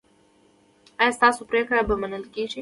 ایا ستاسو پریکړې به نه منل کیږي؟